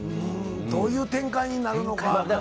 どういう展開になるのか。